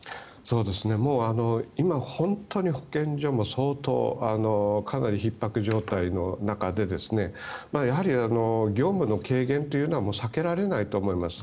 もう今、本当に保健所も相当かなりひっ迫状態の中で業務の軽減というのは避けられないと思います。